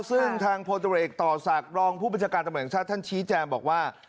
ซึ่งทางโพธิบริเวกต่อสากรองผู้บัญชาการต่ำแห่งชาติท่านชี้แจมบอกว่า